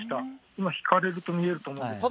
今、引かれると見られると思うんですけど。